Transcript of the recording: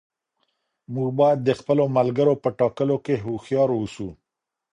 موږ باید د خپلو ملګرو په ټاکلو کې هوښیار اوسو.